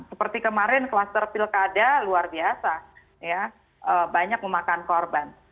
seperti kemarin kluster pilkada luar biasa ya banyak memakan korban